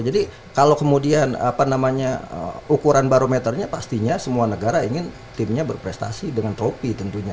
jadi kalau kemudian apa namanya ukuran barometernya pastinya semua negara ingin timnya berprestasi dengan tropi tentunya